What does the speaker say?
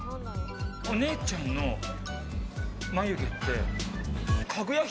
お姉ちゃんの眉毛ってかぐや姫？